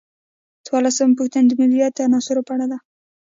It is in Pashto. څوارلسمه پوښتنه د مدیریت د عناصرو په اړه ده.